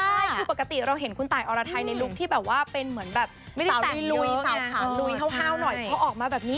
ใช่คือปกติเราเห็นคุณตายอรไทยในลุคที่แบบว่าเป็นเหมือนแบบไม่ได้ใส่ลุยสาวขางลุยห้าวหน่อยเพราะออกมาแบบนี้